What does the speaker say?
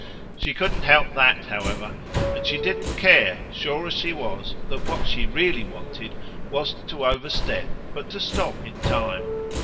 She couldn't help that, however, and she didn't care, sure as she was that what she really wanted wasn't to overstep but to stop in time.